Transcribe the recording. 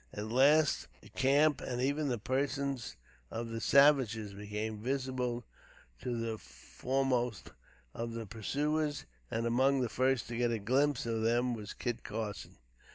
At last, the camp, and even the persons of the savages, became visible to the foremost of the pursuers; and, among the first to get a glimpse of them was Kit Carson.